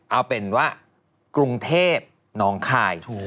เอาเป็นว่ากรุงเทพน้องคาย